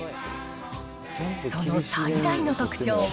その最大の特徴は、